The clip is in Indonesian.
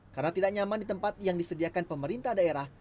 karena tidak nyaman di tempat yang disediakan pemerintah daerah